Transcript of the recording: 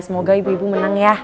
semoga ibu ibu menang ya